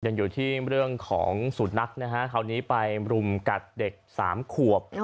ยังอยู่ที่เรื่องของสุนัขนะฮะคราวนี้ไปรุมกัดเด็กสามขวบ